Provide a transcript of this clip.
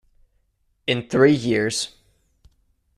In three years.